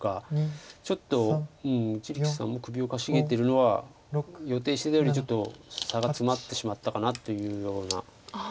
ちょっと一力さんも首をかしげてるのは予定してたよりちょっと差が詰まってしまったかなっていうような。